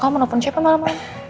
kau mau nelfon siapa malem malem